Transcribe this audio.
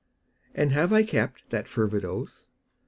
And have I kept that fervid oath?